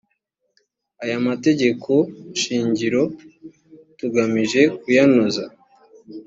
aya mategeko shingiro tugamije kuyanoza